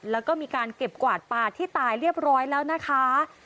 แล้วก็มีการเก็บกวาดปลาที่ตายเรียบร้อยแล้วนะคะ